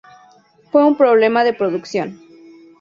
Fue un problema de producción.